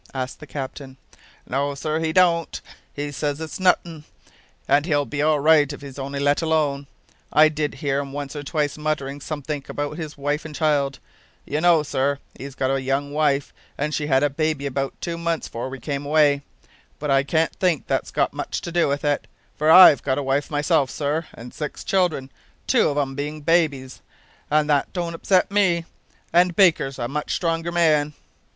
asked the captain. "No, sir; he don't. He says it's nothin', and he'll be all right if he's only let alone. I did hear him once or twice muttering some think about his wife and child; you know, sir, he's got a young wife, and she had a baby about two months 'fore we came away, but I can't think that's got much to do with it, for I've got a wife myself, sir, and six children, two of 'em bein' babies, and that don't upset me, and Baker's a much stronger man."